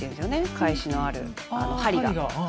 返しのある針が。